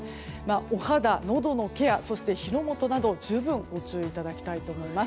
お肌、のどのケア火の元などご注意いただきたいと思います。